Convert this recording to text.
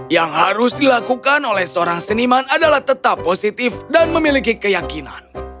yang harus dilakukan oleh seorang seniman adalah tetap positif dan memiliki keyakinan